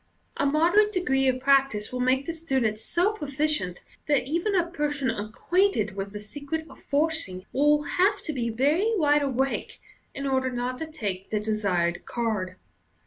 A moderate degree of practice will make the student so pro ficient that even a person acquainted with the secret of forcing will have to be very wide awake in order not to take the desired card.